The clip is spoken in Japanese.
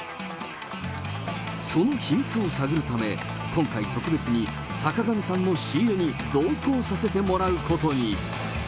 その秘密を探るため、今回、特別に坂上さんの仕入れに同行させてもらうことに。